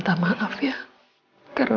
kalau ada orang yang langsung lari